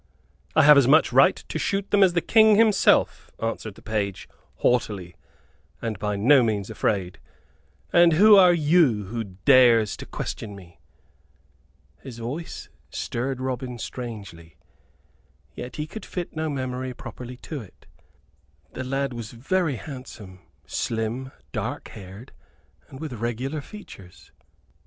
"I have as much right to shoot them as the King himself," answered the page, haughtily, and by no means afraid. "And who are you who dares to question me?" His voice stirred Robin strangely; yet he could fit no memory properly to it. The lad was very handsome, slim, dark haired, and with regular features.